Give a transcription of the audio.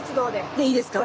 でいいですか？